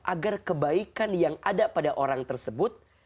agar kebaikan yang ada pada orang tersebut